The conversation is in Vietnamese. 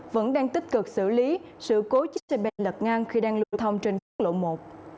vẫn đang tích cực xử lý sự cố chiếc xe ben lật ngang khi đang lưu thông trên quốc lộ một